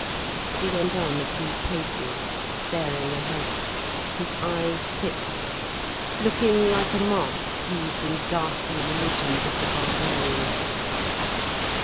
He went on a few paces, staring ahead, his eyes fixed, looking like a mask used in ghastly religions of the barbarians.